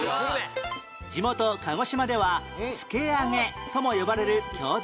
地元鹿児島ではつけあげとも呼ばれる郷土料理